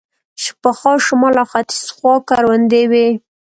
پخوا شمال او ختیځ خوا کروندې وې.